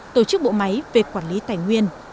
tổ chức bộ máy về quản lý tài nguyên